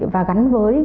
và gắn với